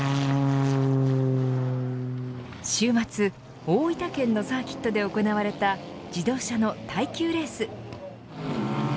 週末、大分県のサーキットで行われた自動車の耐久レース。